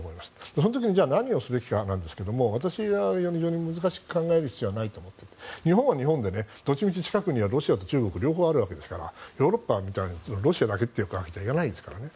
その時に何をすべきかですが私は非常に難しく考える必要はないと思っていて日本は日本でどっちみち近くにはロシアと中国両方あるわけですからヨーロッパみたいにロシアだけってわけにはいかないですからね。